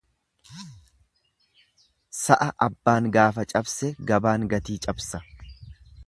Sa'a abbaan gaafa cabse gabaan gatii cabsa.